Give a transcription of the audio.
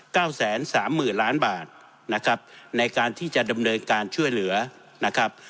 เก้าแสนสามหมื่นล้านบาทนะครับในการที่จะดำเนินการช่วยเหลือนะครับ